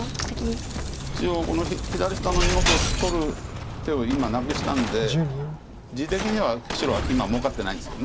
一応この左下の２目を取る手を今なくしたんで地的には白は今もうかってないんですけど。